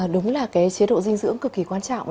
đúng là cái chế độ dinh dưỡng cực kỳ quan trọng